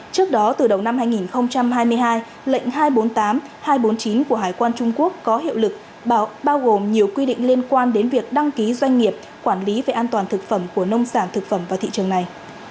trước đó từ đầu năm hai nghìn hai mươi hai lệnh hai trăm bốn mươi tám hai trăm bốn mươi chín của hải quan trung quốc có hiệu lực bao gồm nhiều quy định liên quan đến việc đăng ký doanh nghiệp quản lý về an toàn thực phẩm của nông sản thực phẩm vào thị trường này